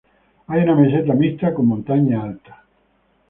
Hay una meseta mixta con montaña alta.